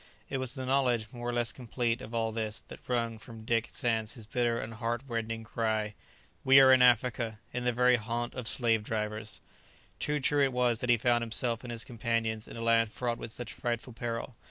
It was the knowledge, more or less complete, of all this, that wrung from Dick Sands his bitter and heart rending cry: "We are in Africa! in the very haunt of slave drivers!" Too true it was that he found himself and his companions in a land fraught with such frightful peril.